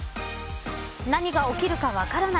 何が起きるか分からない